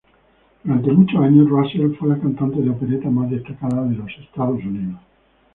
Durante muchos años Russell fue la cantante de operetas más destacada de Estados Unidos.